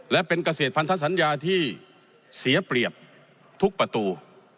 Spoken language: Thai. และเป็นเกษตรพันธสัญญาที่เสียเปรียบทุกประตู